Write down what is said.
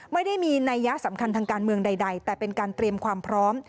ไม่ได้มีนัยยะสำคัญทางการเมืองใดแต่เป็นการเตรียมความพร้อม